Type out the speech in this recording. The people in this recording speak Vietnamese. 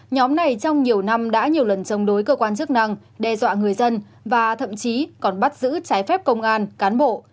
nhóm này trong nhiều năm đã nhiều lần chống đối cơ quan chức năng đe dọa người dân và thậm chí còn bắt giữ trái phép công an cán bộ